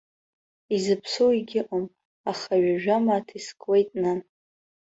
Изыԥсоу егьыҟам, аха ҩажәа мааҭ искуеит, нан!